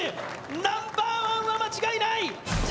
ナンバーワンは間違いない！